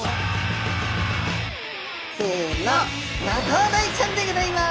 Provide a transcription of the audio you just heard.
せのマトウダイちゃんでギョざいます！